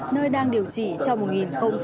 nơi đang điều trị trong